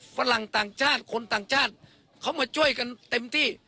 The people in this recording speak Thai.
ฝรั่งต่างชาติคนต่างชาติเขามาช่วยกันเต็มที่